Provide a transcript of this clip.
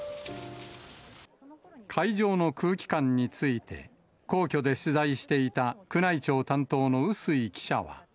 会場の空気感について、皇居で取材していた宮内庁担当の笛吹記者は。